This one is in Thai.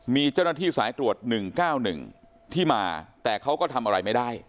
มีเจ้าหน้าที่สายตรวจหนึ่งเก้าหนึ่งที่มาแต่เขาก็ทำอะไรไม่ได้